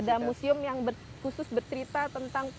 ada museum yang khusus bercerita tentang